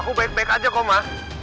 aku baik baik aja ma